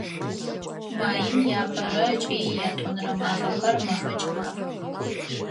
Маим иапэрэ ыкӏи иятӏонэрэ мафэхэр мэфэкӏ мафэх.